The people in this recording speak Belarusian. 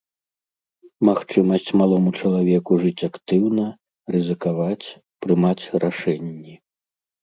Магчымасць малому чалавеку жыць актыўна, рызыкаваць, прымаць рашэнні.